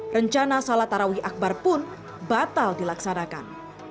rencana salat tarawih akbar pun batal dilaksanakan